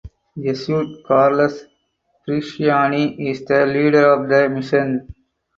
Jesuit Carlos Bresciani is the leader of the mission.